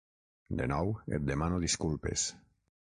De nou, et demano disculpes.